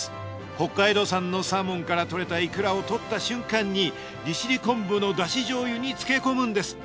北海道産のサーモンからとれたいくらを獲った瞬間に利尻昆布のだし醤油に漬け込むんです。